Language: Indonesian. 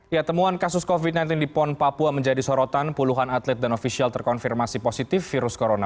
ya temuan kasus covid sembilan belas di pon papua menjadi sorotan puluhan atlet dan ofisial terkonfirmasi positif virus corona